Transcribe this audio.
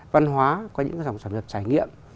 văn hóa có những dòng sản phẩm trải nghiệm